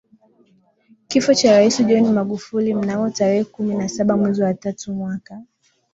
kifo cha Rais John Magufuli mnamo tarehe kumi na saba mwezi wa tatu mwaka